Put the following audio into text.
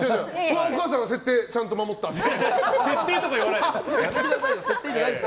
お母さんの設定ちゃんと守ったんで。